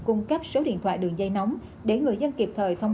và các tỉnh phía nam diễn biến phức tạp